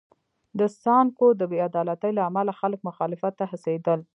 د سانکو د بې عدالتۍ له امله خلک مخالفت ته هڅېدل.